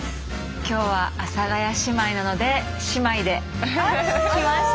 今日は阿佐ヶ谷姉妹なので姉妹で来ました。